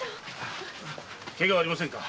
怪我はありませんか？